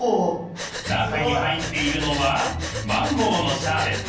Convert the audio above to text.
中に入っているのはマンゴーのシャーベット。